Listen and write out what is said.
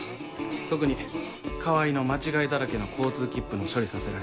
特に川合の間違いだらけの交通切符の処理させられてる時。